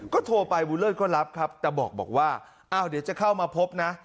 ก็โทรไปบุญเลิศก็รับครับแต่บอกว่าอ้าวเดี๋ยวจะเข้ามาพบนะ